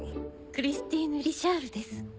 クリスティーヌ・リシャールです。